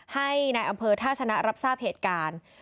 ให้นายอำเภอท่าชนะรับทราบเหตุการณ์